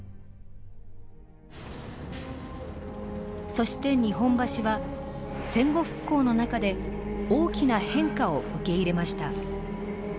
そして日本橋は戦後復興の中で大きな変化を受け入れました。